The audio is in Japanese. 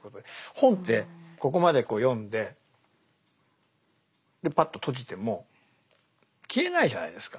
本ってここまで読んでパッと閉じても消えないじゃないですか。